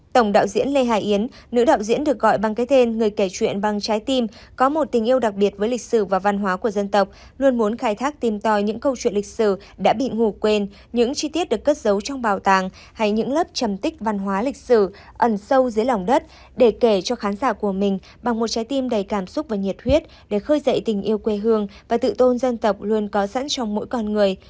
tổng đạo diễn lê hải yến nữ đạo diễn được gọi bằng cái tên người kể chuyện bằng trái tim có một tình yêu đặc biệt với lịch sử và văn hóa của dân tộc luôn muốn khai thác tim tòi những câu chuyện lịch sử đã bị ngủ quên những chi tiết được cất giấu trong bào tàng hay những lớp chầm tích văn hóa lịch sử ẩn sâu dưới lòng đất để kể cho khán giả của mình bằng một trái tim đầy cảm xúc và nhiệt huyết để khơi dậy tình yêu quê hương và tự tôn dân tộc luôn có sẵn trong mỗi con người